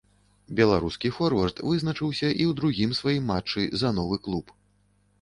Беларускі форвард вызначыўся і ў другім сваім матчы за новы клуб.